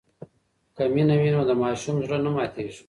که مینه وي نو د ماسوم زړه نه ماتېږي.